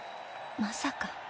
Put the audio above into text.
まさか。